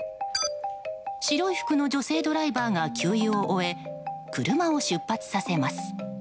白い服の女性ドライバーが給油を終え車を出発させます。